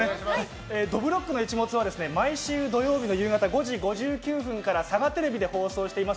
「どぶろっくの一物」は毎週土曜日の夕方５時５９分からサガテレビで放送しています。